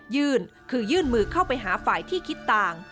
ยื่นคือยื่นมือเข้าไปหาฝ่ายที่คิดต่าง